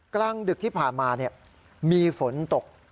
กลางดึกที่ผ่านมามีฝนตก